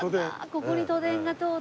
ここに都電が通って。